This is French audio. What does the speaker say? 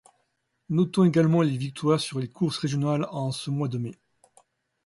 Notons également les victoires sur les courses régionales en ce mois de mai.